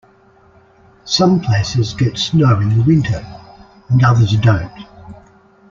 Some places get snow in the winter and others don't.